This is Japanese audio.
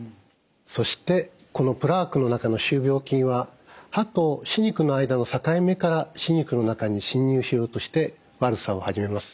そしてこのプラークの中の歯周病菌は歯と歯肉の間の境目から歯肉の中に侵入しようとして悪さを始めます。